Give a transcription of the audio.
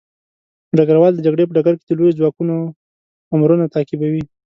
ډګروال د جګړې په ډګر کې د لويو ځواکونو امرونه تعقیبوي.